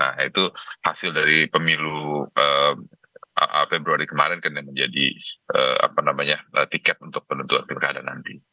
nah itu hasil dari pemilu februari kemarin kan yang menjadi tiket untuk penentuan pilkada nanti